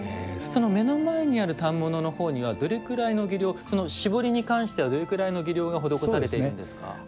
目の前にある反物のほうにはどれぐらいの技量絞りに関してはどれぐらいの技量が施されているんですか。